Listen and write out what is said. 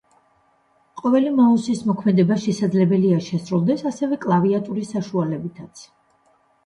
ყოველი მაუსის მოქმედება შესაძლებელია შესრულდეს ასევე კლავიატურის საშუალებითაც.